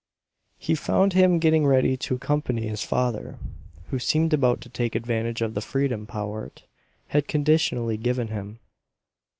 He found him getting ready to accompany his father, who seemed about to take advantage of the freedom Powart had conditionally given him.